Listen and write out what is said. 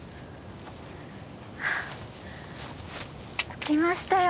着きましたよ。